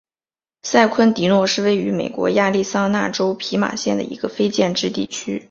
塞昆迪诺是位于美国亚利桑那州皮马县的一个非建制地区。